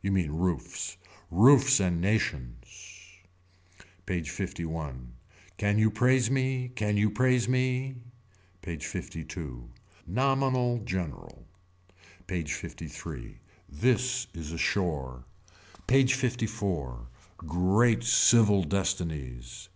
You mean roofs. Roofs and nations. PAGE LI. Can you praise me. Can you praise me. PAGE LII. Nominal general. PAGE LIII. This is a shore. PAGE LIV. Great civil destinies.